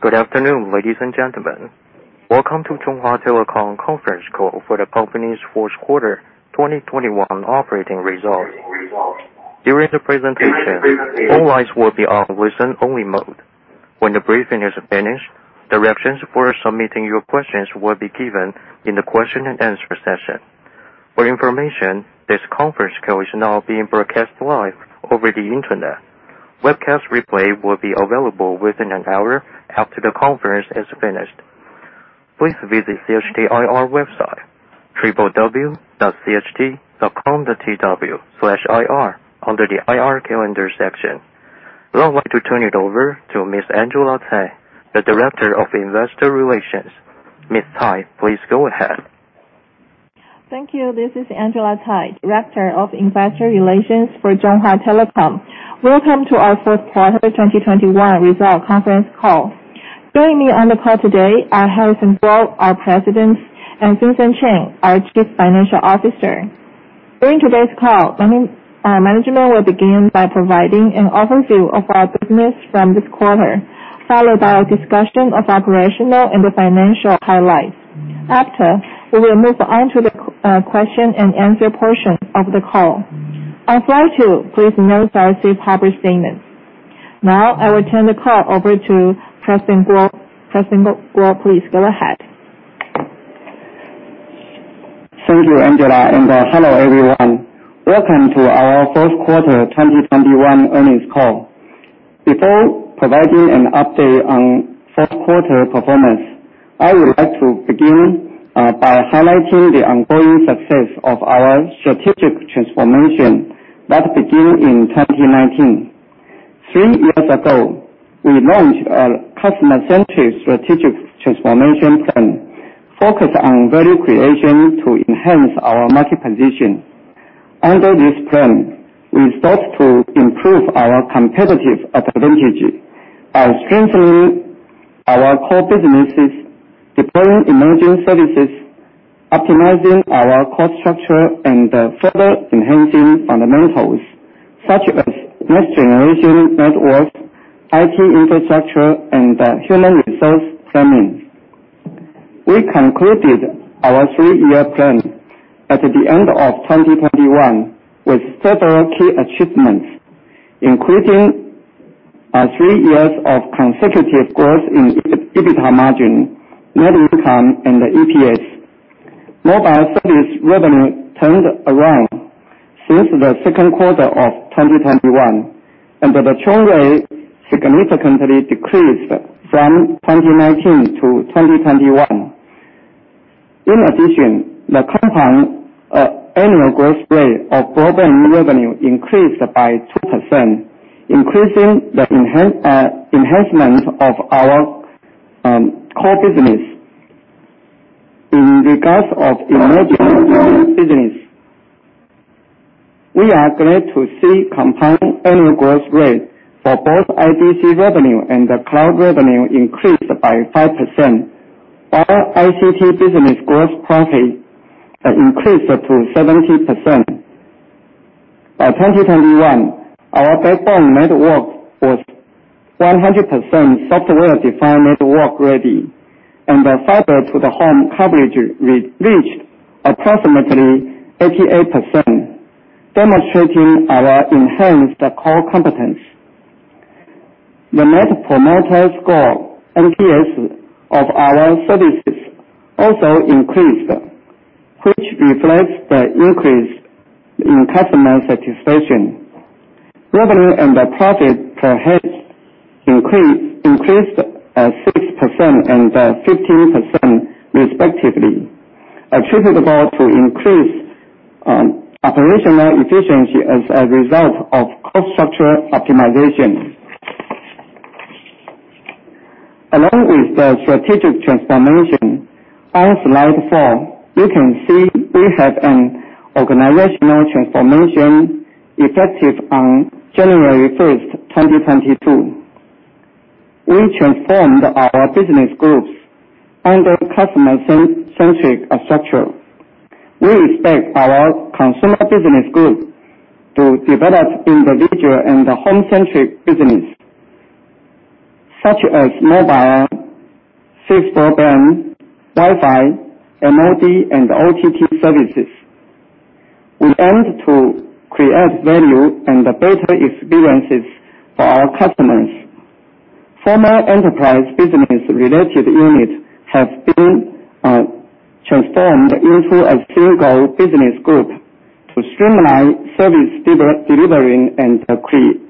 Good afternoon, ladies and gentlemen. Welcome to Chunghwa Telecom conference call for the company's fourth quarter 2021 operating results. During the presentation, all lines will be on listen-only mode. When the briefing is finished, the directions for submitting your questions will be given in the question-and-answer session. For information, this conference call is now being broadcast live over the Internet. Webcast replay will be available within an hour after the conference is finished. Please visit CHT IR website, www.cht.com.tw/ir under the IR Calendar section. Now, I'd like to turn it over to Ms. Angela Tsai, the Director of Investor Relations. Ms. Tsai, please go ahead. Thank you. This is Angela Tsai, Director of Investor Relations for Chunghwa Telecom. Welcome to our fourth quarter 2021 results conference call. Joining me on the call today are Harrison Kuo, our President, and Vincent Chen, our Chief Financial Officer. During today's call, our management will begin by providing an overview of our business for this quarter, followed by a discussion of operational and financial highlights. After that, we will move on to the question-and-answer portion of the call. Please note the safe harbor statement. Now, I will turn the call over to Harrison Kuo. Harrison Kuo, please go ahead. Thank you, Angela, and hello, everyone. Welcome to our fourth quarter 2021 earnings call. Before providing an update on fourth quarter performance, I would like to begin by highlighting the ongoing success of our strategic transformation that began in 2019. Three years ago, we launched our customer-centric strategic transformation plan focused on value creation to enhance our market position. Under this plan, we sought to improve our competitive advantage by strengthening our core businesses, deploying emerging services, optimizing our cost structure, and further enhancing fundamentals, such as next-generation networks, IT infrastructure, and human resource planning. We concluded our three-year plan at the end of 2021 with several key achievements, including three years of consecutive growth in EBITDA margin, net income, and EPS. Mobile service revenue turned around since the second quarter of 2021, and the churn rate significantly decreased from 2019 to 2021. In addition, the compound annual growth rate of broadband revenue increased by 2%, increasing the enhancement of our core business. In regards to emerging business, we are glad to see compound annual growth rate for both IDC revenue and the cloud revenue increased by 5%, while ICT business gross profit increased to 70%. By 2021, our backbone network was 100% software-defined network ready, and the fiber to the home coverage reached approximately 88%, demonstrating our enhanced core competence. The net promoter score, NPS, of our services also increased, which reflects the increase in customer satisfaction. Revenue and the profit per head increased 6% and 15% respectively, attributable to increased operational efficiency as a result of cost structure optimization. Along with the strategic transformation, on slide four, you can see we have an organizational transformation effective on January 1st, 2022. We transformed our business groups under customer-centric structure. We expect our consumer business group to develop individual and home-centric business, such as mobile, fixed broadband, Wi-Fi, MOD, and OTT services. We aim to create value and better experiences for our customers. Former enterprise business-related units have been transformed into a single business group to streamline service delivery and create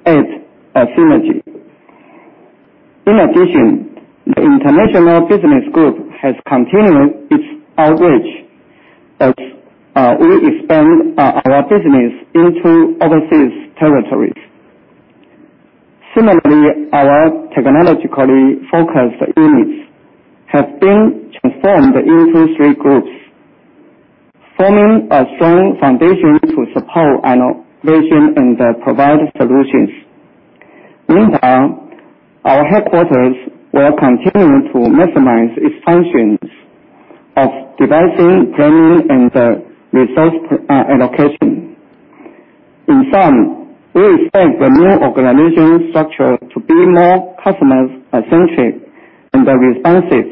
a synergy. In addition, the international business group has continued its outreach as we expand our business into overseas territories. Similarly, our technologically focused units have been transformed into three groups, forming a strong foundation to support innovation and provide solutions. Meanwhile, our headquarters will continue to maximize its functions of devising planning and resource allocation. In sum, we expect the new organization structure to be more customer-centric and responsive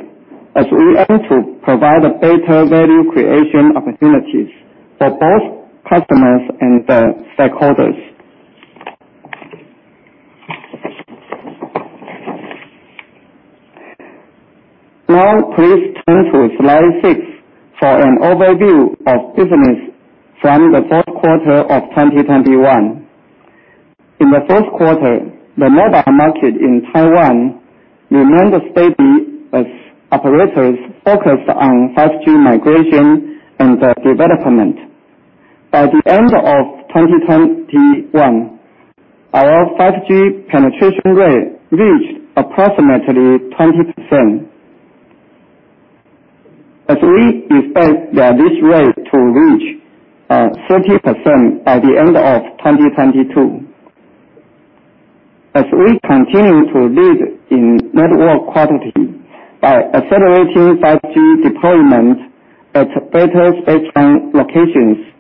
as we aim to provide a better value creation opportunities for both customers and stakeholders. Now please turn to slide six for an overview of business from the fourth quarter of 2021. In the fourth quarter, the mobile market in Taiwan remained stable as operators focused on 5G migration and development. By the end of 2021, our 5G penetration rate reached approximately 20%. As we expect that this rate to reach 30% by the end of 2022. As we continue to lead in network quality by accelerating 5G deployment at better spectrum locations,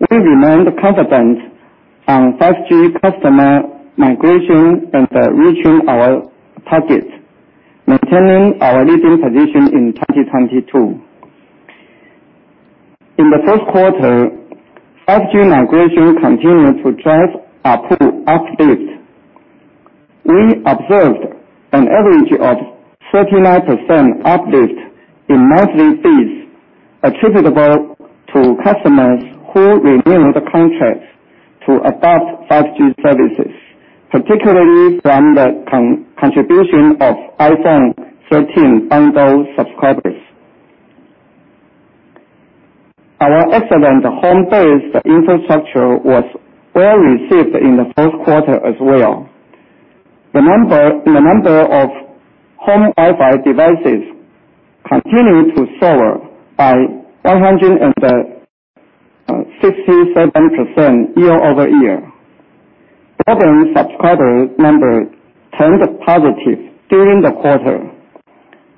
we remain confident on 5G customer migration and reaching our targets, maintaining our leading position in 2022. In the first quarter, 5G migration continued to drive ARPU uplift. We observed an average of 39% uplift in monthly fees attributable to customers who renewed contracts to adopt 5G services, particularly from the contribution of iPhone 13 bundle subscribers. Our excellent home-based infrastructure was well received in the fourth quarter as well. The number of home Wi-Fi devices continued to soar by 167% year-over-year. Broadband subscriber numbers turned positive during the quarter,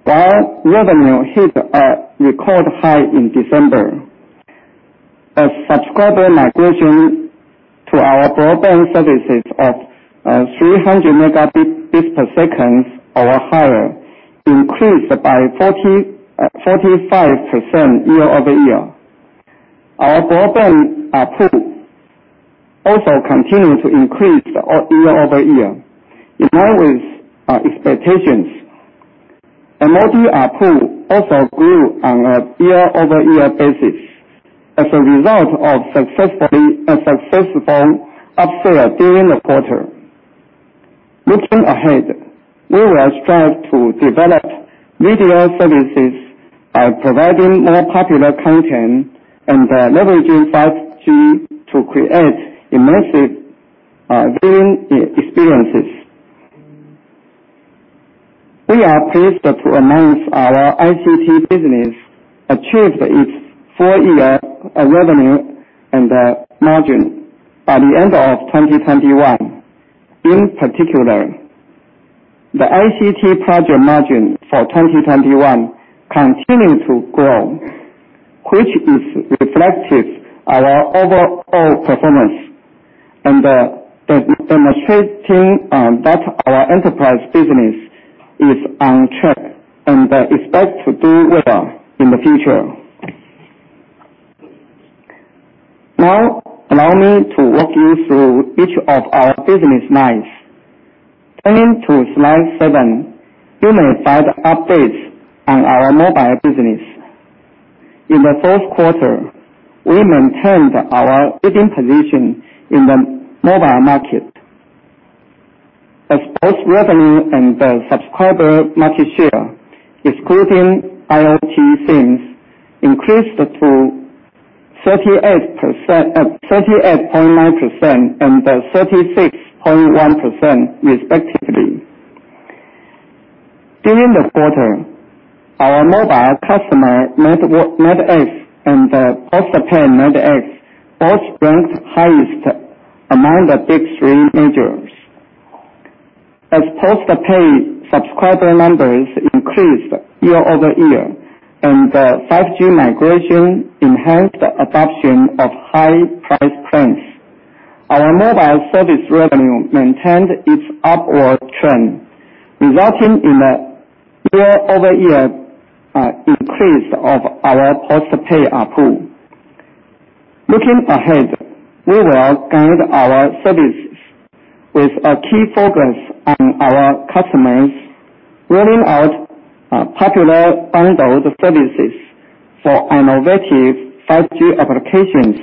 while revenue hit a record high in December. As subscriber migration to our broadband services of 300 Mbps or higher increased by 45% year-over-year. Our broadband pool also continued to increase year-over-year, in line with our expectations. The mobile ARPU also grew on a year-over-year basis as a result of a successful upsell during the quarter. Looking ahead, we will strive to develop video services by providing more popular content and leveraging 5G to create immersive viewing experiences. We are pleased to announce our ICT business achieved its full-year revenue and margin by the end of 2021. In particular, the ICT project margin for 2021 continued to grow, which is reflective of our overall performance and demonstrating that our enterprise business is on track and we expect to do well in the future. Now allow me to walk you through each of our business lines. Turning to slide seven, you may find updates on our mobile business. In the fourth quarter, we maintained our leading position in the mobile market, as both revenue and the subscriber market share, excluding IoT SIMs, increased to 38%, 38.9% and 36.1% respectively. During the quarter, our mobile customer net adds and post-paid net adds both ranked highest among the big three majors. As post-paid subscriber numbers increased year-over-year and the 5G migration enhanced the adoption of high price plans, our mobile service revenue maintained its upward trend, resulting in a year-over-year increase of our post-paid ARPU. Looking ahead, we will guide our services with a key focus on our customers, rolling out popular bundled services for innovative 5G applications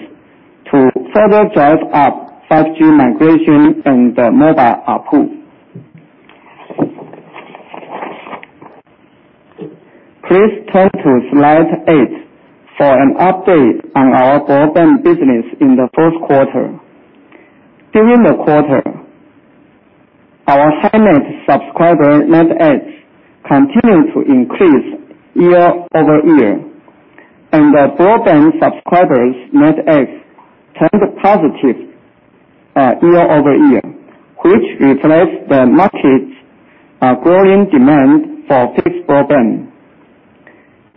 to further drive up 5G migration and mobile ARPU. Please turn to slide eight for an update on our broadband business in the fourth quarter. During the quarter, our high net subscriber net adds continued to increase year-over-year and the broadband subscribers net adds turned positive year-over-year, which reflects the market's growing demand for fixed broadband.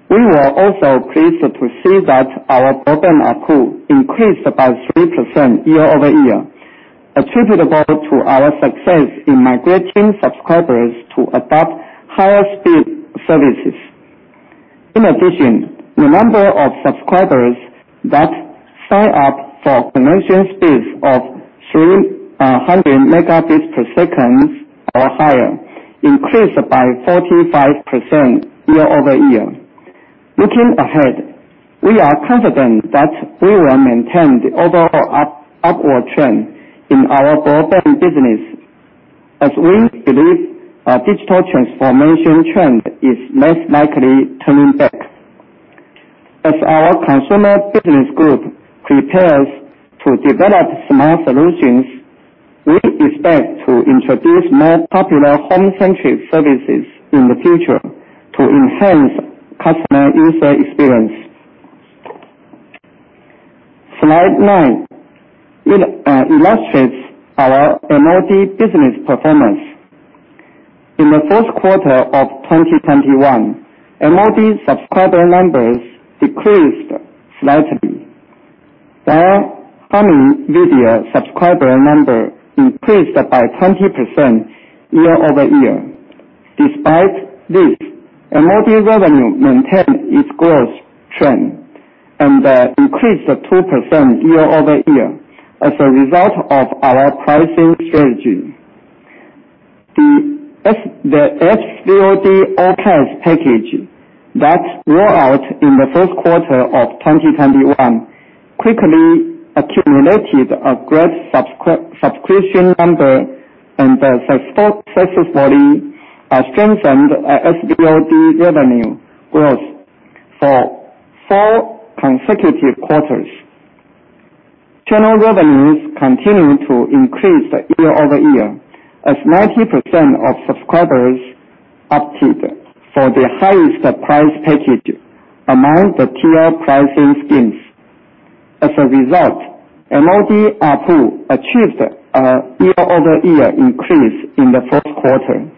We were also pleased to see that our broadband ARPU increased by 3% year-over-year, attributable to our success in migrating subscribers to adopt higher speed services. In addition, the number of subscribers that sign up for connection speeds of 300 Mbps or higher increased by 45% year-over-year. Looking ahead, we are confident that we will maintain the overall upward trend in our broadband business as we believe our digital transformation trend is less likely turning back. As our consumer business group prepares to develop smart solutions, we expect to introduce more popular home-centric services in the future to enhance customer user experience. Slide nine illustrates our MOD business performance. In the fourth quarter of 2021, MOD subscriber numbers decreased slightly, while Hami Video subscriber number increased by 20% year-over-year. Despite this, MOD revenue maintained its growth trend, and increased 2% year-over-year as a result of our pricing strategy. The SVOD all-access package that rolled out in the first quarter of 2021 quickly accumulated a great subscription number and successfully strengthened our SVOD revenue growth for four consecutive quarters. Channel revenues continued to increase year-over-year as 90% of subscribers opted for the highest price package among the tier pricing schemes. As a result, MOD ARPU achieved a year-over-year increase in the fourth quarter.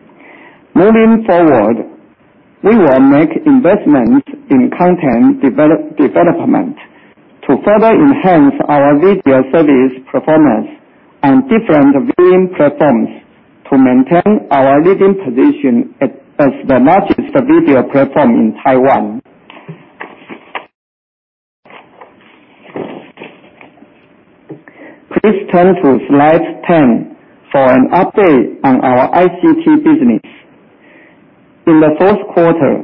Moving forward, we will make investments in content development to further enhance our video service performance on different viewing platforms to maintain our leading position as the largest video platform in Taiwan. Please turn to slide 10 for an update on our ICT business. In the fourth quarter,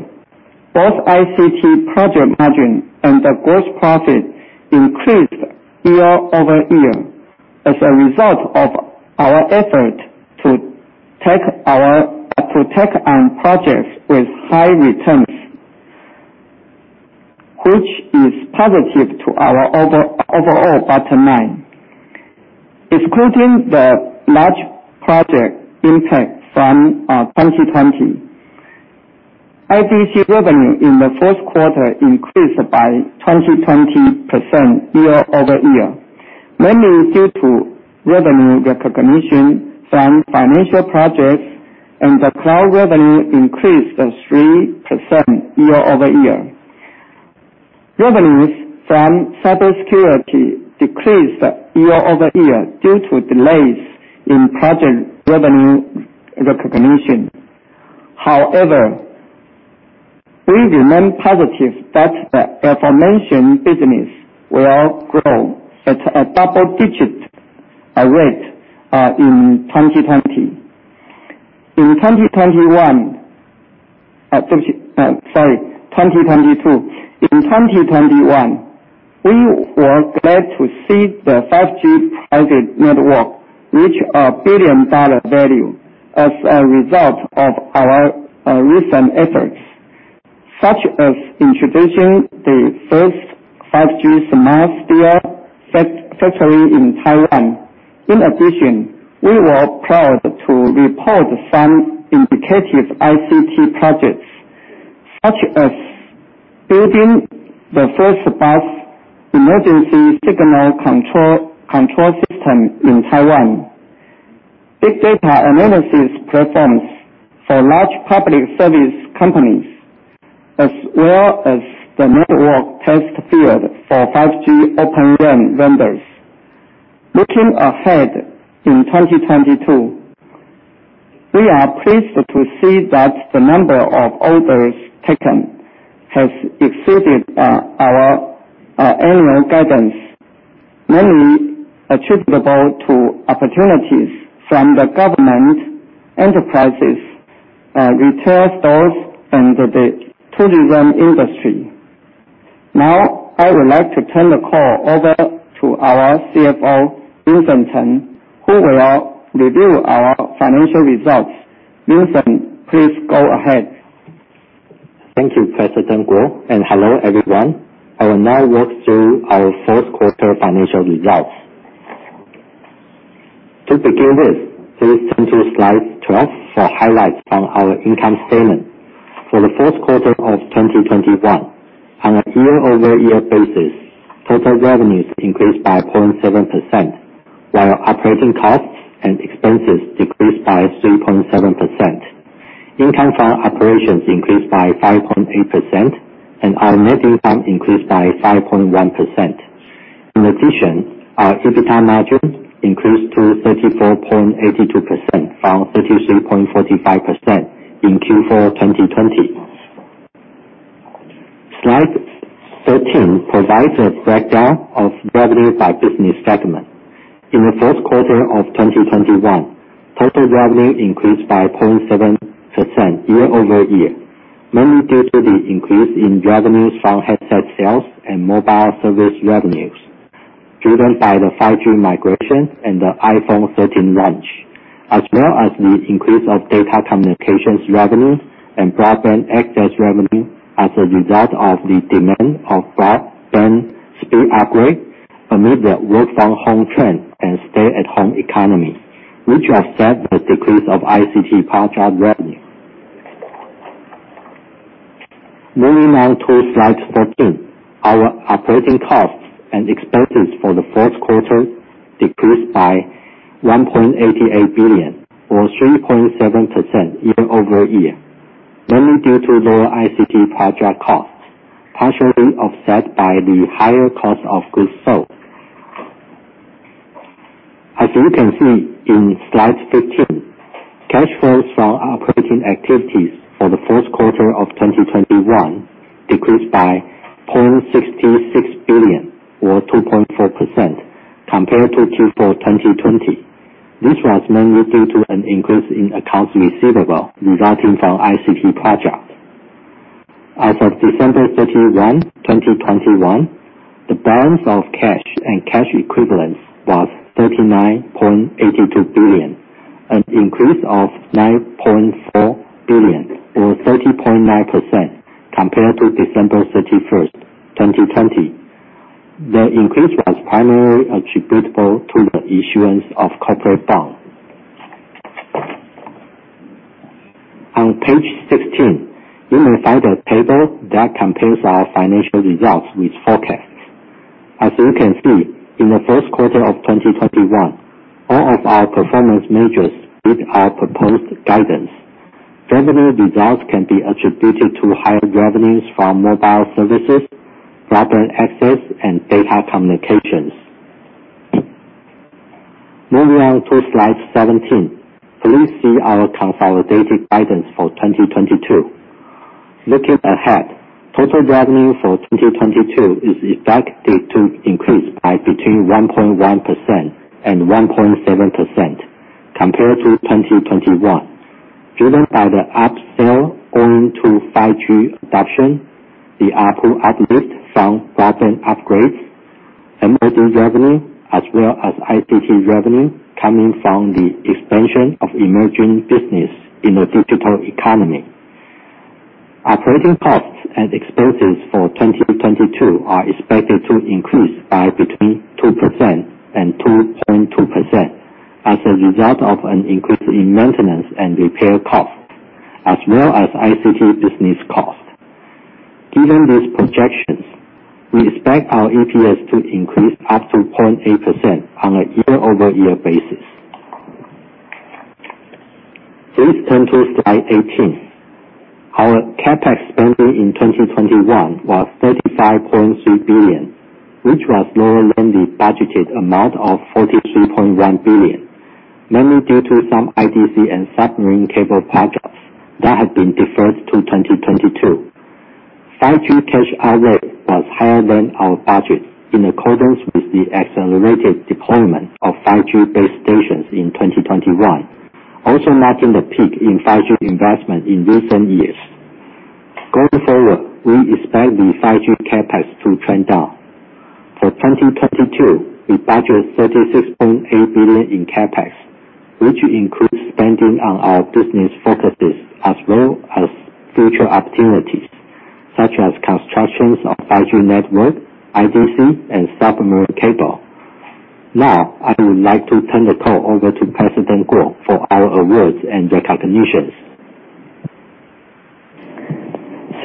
both ICT project margin and the gross profit increased year-over-year as a result of our effort to take on projects with high returns, which is positive to our overall bottom line. Excluding the large project impact from 2020, ICT revenue in the fourth quarter increased by 20% year-over-year, mainly due to revenue recognition from financial projects and the cloud revenue increased 3% year-over-year. Revenues from cybersecurity decreased year-over-year due to delays in project revenue recognition. However, we remain positive that the aforementioned business will grow at a double digit rate in 2022. In 2021, we were glad to see the 5G private network reach a billion-dollar value as a result of our recent efforts, such as introducing the first 5G smart store factory in Taiwan. In addition, we were proud to report some indicative ICT projects, such as building the first bus emergency signal control system in Taiwan, big data analysis platforms for large public service companies, as well as the network test bed for 5G Open RAN vendors. Looking ahead in 2022, we are pleased to see that the number of orders taken has exceeded our annual guidance, mainly attributable to opportunities from the government enterprises, retail stores and the tourism industry. Now, I would like to turn the call over to our CFO, Vincent Chen, who will review our financial results. Vincent, please go ahead. Thank you, President Kuo, and hello, everyone. I will now walk through our fourth quarter financial results. To begin with, please turn to slide 12 for highlights from our income statement. For the fourth quarter of 2021, on a year-over-year basis, total revenues increased by 0.7%. While operating costs and expenses decreased by 3.7%. Income from operations increased by 5.8%, and our net income increased by 5.1%. In addition, our EBITDA margin increased to 34.82% from 33.45% in Q4 2020. Slide 13 provides a breakdown of revenue by business segment. In the fourth quarter of 2021, total revenue increased by 0.7% year-over-year, mainly due to the increase in revenues from headset sales and mobile service revenues, driven by the 5G migration and the iPhone 13 launch, the increase of data communications revenues and broadband access revenue as a result of the demand of broadband speed upgrade amid the work from home trend and stay at home economy, which offset the decrease of ICT project revenue. Moving now to slide 14. Our operating costs and expenses for the fourth quarter decreased by 1.88 billion or 3.7% year-over-year, mainly due to lower ICT project costs, partially offset by the higher cost of goods sold. As you can see in slide 15, cash flows from operating activities for the fourth quarter of 2021 decreased by 0.66 billion or 2.4% compared to Q4 2020. This was mainly due to an increase in accounts receivable resulting from ICT projects. As of December 31, 2021, the balance of cash and cash equivalents was 39.82 billion, an increase of 9.4 billion, or 30.9% compared to December 31st, 2020. The increase was primarily attributable to the issuance of corporate bond. On page 16, you may find a table that compares our financial results with forecasts. As you can see, in the first quarter of 2021, all of our performance measures beat our proposed guidance. Favorable results can be attributed to higher revenues from mobile services, broadband access and data communications. Moving on to slide 17. Please see our consolidated guidance for 2022. Looking ahead, total revenue for 2022 is expected to increase by between 1.1% and 1.7% compared to 2021, driven by the upsell owing to 5G adoption, the ARPU uplift from broadband upgrades, emerging revenue, as well as ICT revenue coming from the expansion of emerging business in the digital economy. Operating costs and expenses for 2022 are expected to increase by between 2% and 2.2% as a result of an increase in maintenance and repair costs, as well as ICT business costs. Given these projections, we expect our EPS to increase up to 0.8% on a year-over-year basis. Please turn to slide 18. Our CapEx spending in 2021 was 35.3 billion, which was lower than the budgeted amount of 43.1 billion, mainly due to some IDC and submarine cable projects that have been deferred to 2022. 5G cash outlay was higher than our budget in accordance with the accelerated deployment of 5G base stations in 2021, also marking the peak in 5G investment in recent years. Going forward, we expect the 5G CapEx to trend down. For 2022, we budget 36.8 billion in CapEx, which includes spending on our business focuses as well as future opportunities, such as constructions of 5G network, IDC and submarine cable. Now, I would like to turn the call over to President Kuo for our awards and recognitions.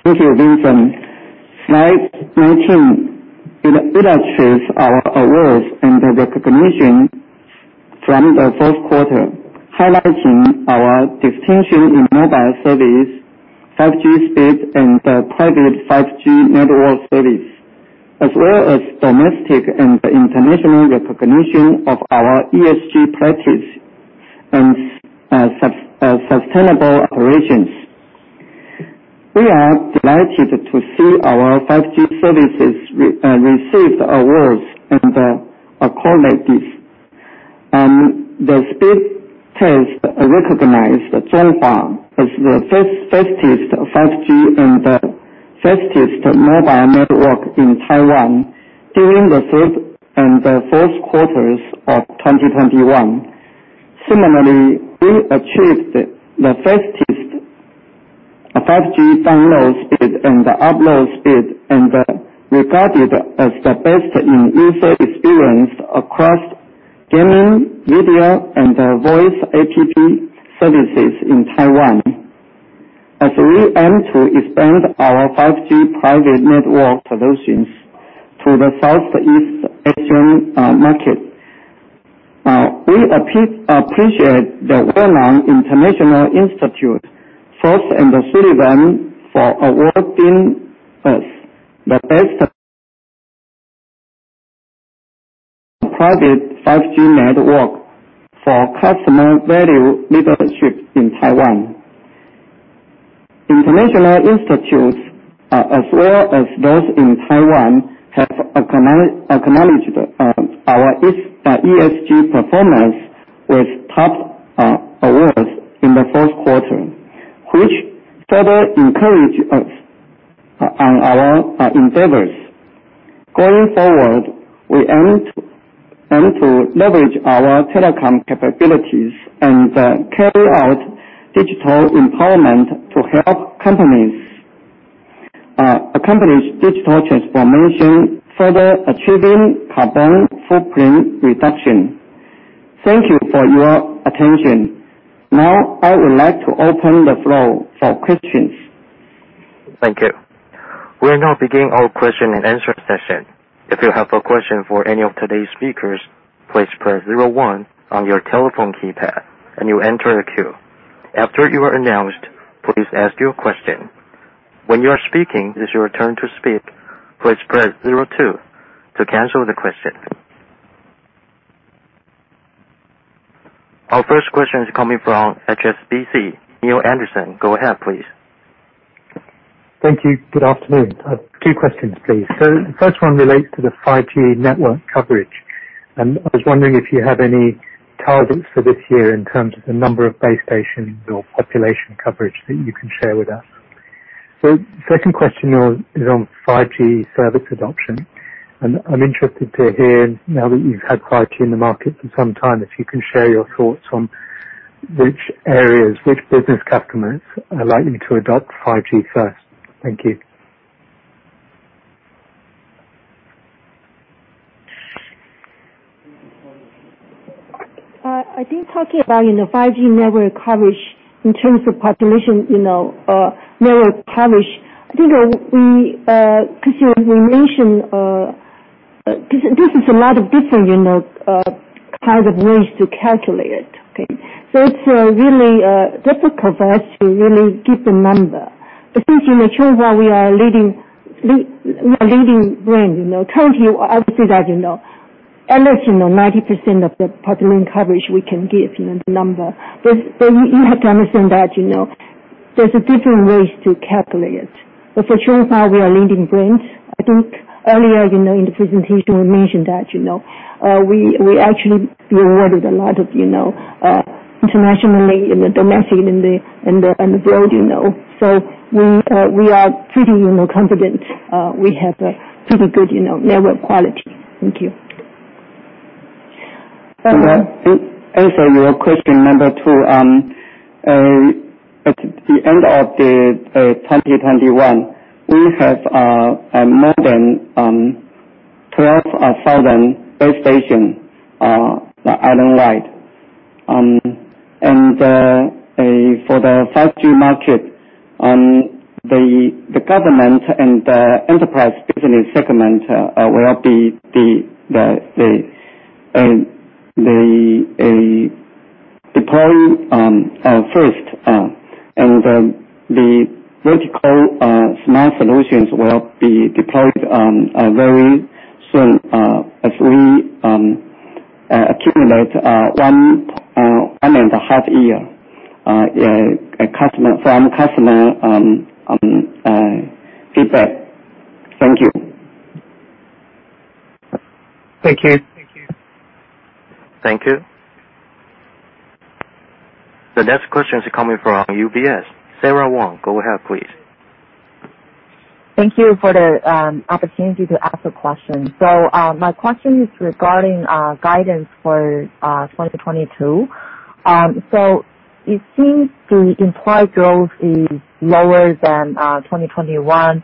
Thank you, Vincent. Slide 19 illustrates our awards and recognition from the fourth quarter, highlighting our distinction in mobile service, 5G speed and private 5G network service, as well as domestic and international recognition of our ESG practice and sustainable operations. We are delighted to see our 5G services receive awards and accolades. The Speedtest recognized Chunghwa as the fastest 5G and the fastest mobile network in Taiwan during the third and fourth quarters of 2021. Similarly, we achieved the fastest 5G download speed and upload speed and regarded as the best in user experience across gaming, video and voice app services in Taiwan. As we aim to expand our 5G private network solutions to the Southeast Asian market. We appreciate the well-known international institute, Frost & Sullivan, for awarding us the best private 5G network for customer value leadership in Taiwan. International institutes, as well as those in Taiwan, have acknowledged our ESG performance with top awards in the fourth quarter, which further encourage us on our endeavors. Going forward, we aim to leverage our telecom capabilities and carry out digital empowerment to help companies accomplish digital transformation, further achieving carbon footprint reduction. Thank you for your attention. Now, I would like to open the floor for questions. Thank you. We'll now begin our question and answer session. If you have a question for any of today's speakers, please press zero-one on your telephone keypad, and you'll enter the queue. After you are announced, please ask your question. When you are speaking, it is your turn to speak, please press zero-two to cancel the question. Our first question is coming from HSBC, Neale Anderson. Go ahead, please. Thank you. Good afternoon. I have two questions, please. The first one relates to the 5G network coverage, and I was wondering if you have any targets for this year in terms of the number of base stations or population coverage that you can share with us. The second question is on 5G service adoption. I'm interested to hear, now that you've had 5G in the market for some time, if you can share your thoughts on which areas, which business customers are likely to adopt 5G first. Thank you. I think talking about the 5G network coverage in terms of population, you know, network coverage, I think that we consider the nation. This is a lot of different kind of ways to calculate. It's really difficult for us to really give the number. But since, you know, Chunghwa we are leading brand, you know. Tell you, I would say that, you know, at least, you know, 90% of the population coverage we can give, you know, the number. But you have to understand that, you know, there's a different ways to calculate. But for Chunghwa we are leading brand. I think earlier, you know, in the presentation, we mentioned that, you know, we actually received a lot of awards, you know, internationally and domestically and in the world, you know. We are pretty, you know, confident, we have a pretty good, you know, network quality. Thank you. To answer your question number two, at the end of 2021, we have more than 12,000 base stations island-wide. For the 5G market, the government and the enterprise business segment will be deployed first. The vertical smart solutions will be deployed very soon, as we accumulate one and a half years of customer feedback. Thank you. Thank you. Thank you. The next question is coming from UBS, Sara Wang. Go ahead, please. Thank you for the opportunity to ask a question. My question is regarding guidance for 2022. It seems the implied growth is lower than 2021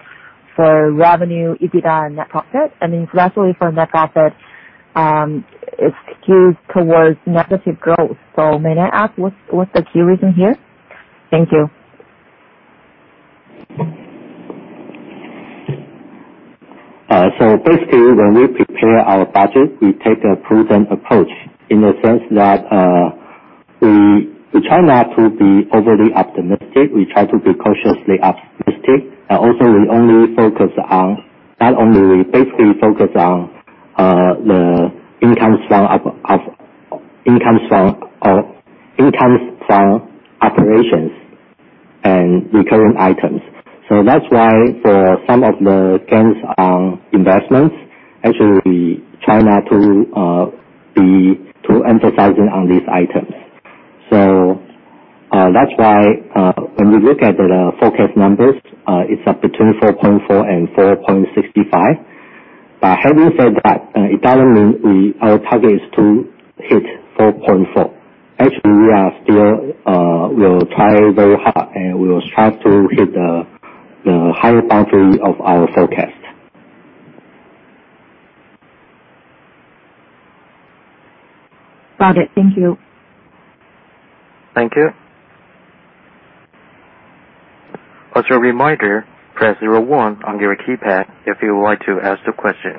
for revenue, EBITDA and net profit. Especially for net profit, it skews towards negative growth. May I ask, what's the key reason here? Thank you. Basically when we prepare our budget, we take a prudent approach in the sense that we try not to be overly optimistic. We try to be cautiously optimistic. We basically focus on the income from operations and recurring items. That's why for some of the gains on investments, actually we try not to be too emphasizing on these items. That's why when we look at the forecast numbers, it's between 4.4-4.65. Having said that, it doesn't mean our target is to hit 4.4. Actually we are still, we'll try very hard, and we'll strive to hit the higher boundary of our forecast. Got it. Thank you. Thank you. As a reminder, press zero-one on your keypad if you would like to ask a question.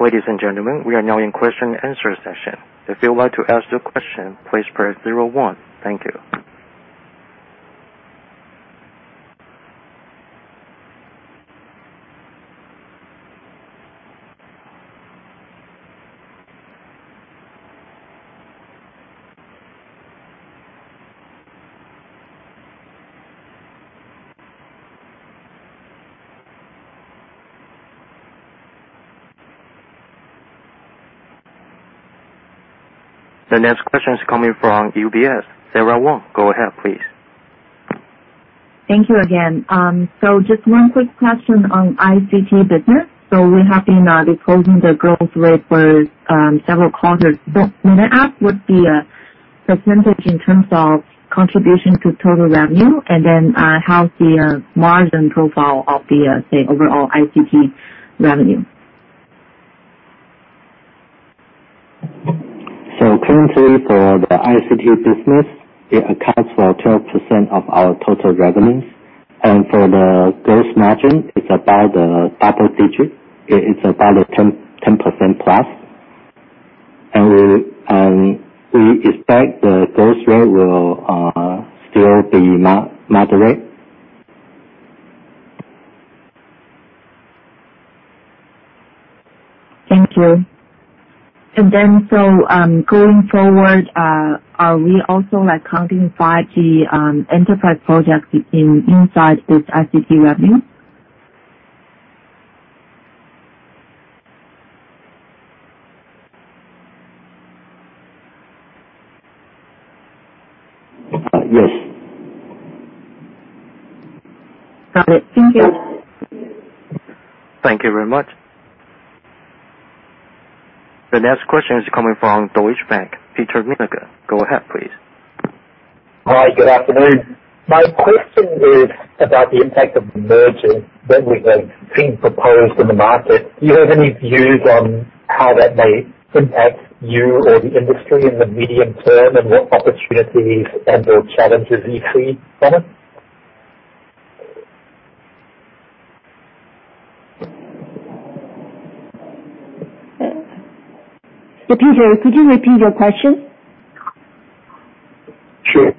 Ladies and gentlemen, we are now in question and answer session. If you would like to ask a question, please press zero-one. Thank you. The next question is coming from UBS, Sara Wang. Go ahead, please. Thank you again. Just one quick question on ICT business. We have been disclosing the growth rate for several quarters. May I ask what the percentage in terms of contribution to total revenue and then how's the margin profile of the, say, overall ICT revenue? Currently for the ICT business, it accounts for 12% of our total revenues. For the gross margin, it's about double digit. It's about 10% plus. We expect the growth rate will still be moderate. Thank you. Going forward, are we also accounting 5G enterprise projects inside this ICT revenue? Yes. Got it. Thank you. Thank you very much. The next question is coming from Deutsche Bank, Peter Milliken. Go ahead, please. Hi, good afternoon. My question is about the impact of the merger that has been proposed in the market. Do you have any views on how that may impact you or the industry in the medium term, and what opportunities and/or challenges you see from it? Peter, could you repeat your question? Sure.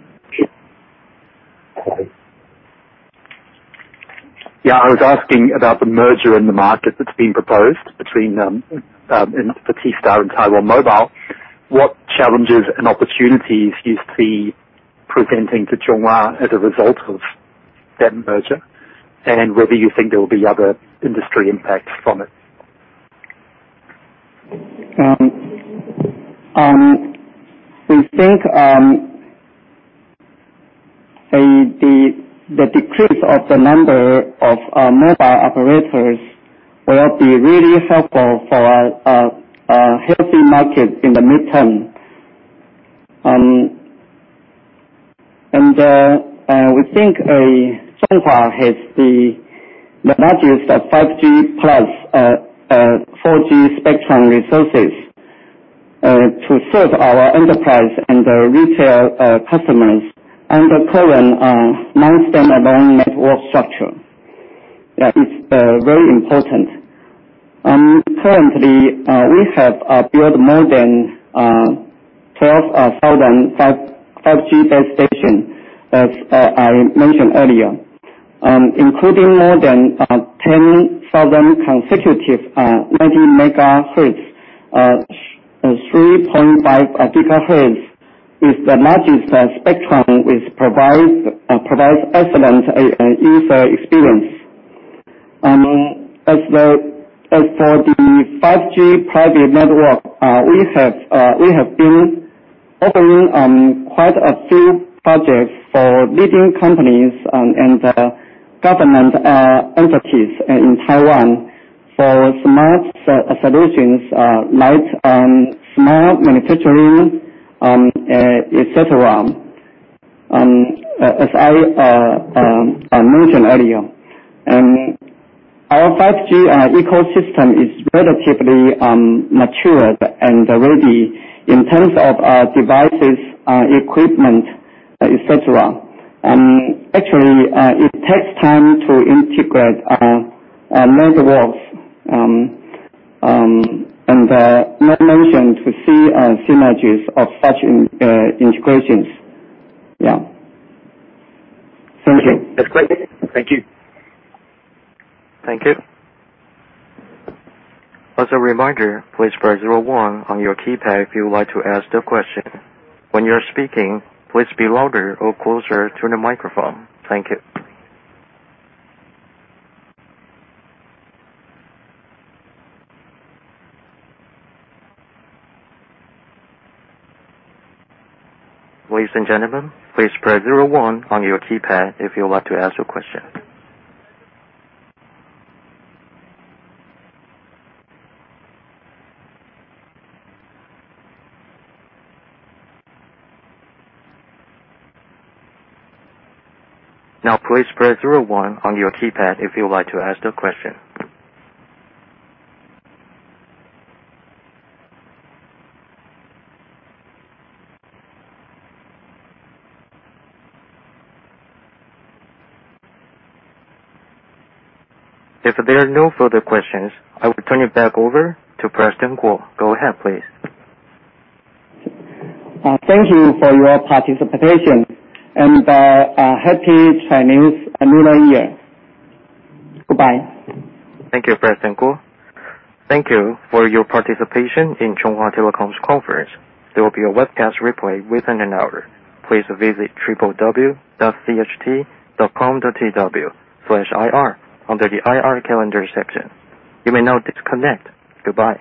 Yeah, I was asking about the merger in the market that's been proposed between Taiwan Star and Taiwan Mobile. What challenges and opportunities do you see presenting to Chunghwa as a result of that merger? Whether you think there will be other industry impacts from it? We think the decrease of the number of mobile operators will be really helpful for a healthy market in the medium term. We think Chunghwa has the largest 5G plus 4G spectrum resources to serve our enterprise and retail customers and the current multi-SIM standalone network structure. That is very important. Currently, we have built more than 12,500 5G base stations, as I mentioned earlier, including more than 10,000 contiguous 90 MHz 3.5 GHz with the largest spectrum, which provides excellent user experience. As for the 5G private network, we have been opening quite a few projects for leading companies and government entities in Taiwan for smart solutions, like smart manufacturing, et cetera. As I mentioned earlier, our 5G ecosystem is relatively mature and ready in terms of devices, equipment, et cetera. Actually, it takes time to integrate networks and more momentum to see synergies of such integrations. Yeah. Thank you. That's great. Thank you. Thank you. As a reminder, please press zero-one on your keypad if you would like to ask a question. When you're speaking, please speak louder or closer to the microphone. Thank you. Ladies and gentlemen, please press zero-one on your keypad if you would like to ask a question. Now, please press zero-one on your keypad if you would like to ask a question. If there are no further questions, I will turn it back over to Harrison Kuo. Go ahead, please. Thank you for your participation and a happy Chinese New Year. Goodbye. Thank you, Harrison Kuo. Thank you for your participation in Chunghwa Telecom's conference. There will be a webcast replay within an hour. Please visit www.cht.com.tw/ir under the IR Calendar section. You may now disconnect. Goodbye.